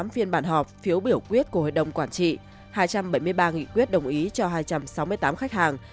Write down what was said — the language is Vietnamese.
ba trăm hai mươi tám phiên bản họp phiếu biểu quyết của hội đồng quản trị hai trăm bảy mươi ba nghị quyết đồng ý cho hai trăm sáu mươi tám khách hàng